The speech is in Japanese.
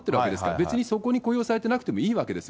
別にそこに雇用されてなくてもいいわけです。